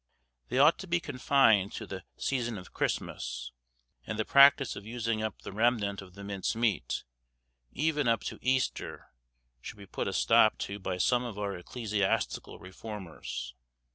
They ought to be confined to the season of Christmas, and the practice of using up the remnant of the mince meat, even up to Easter, should be put a stop to by some of our ecclesiastical reformers.